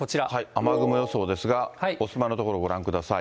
雨雲予想ですが、お住まいの所ご覧ください。